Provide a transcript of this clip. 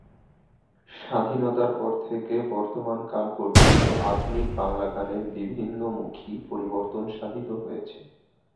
স্বাধীনতার পর থেকে বর্তমান কাল পর্যন্ত আধুনিক বাংলা গানের বিভিন্নমুখী পরিবর্তন সাধিত হয়েছে।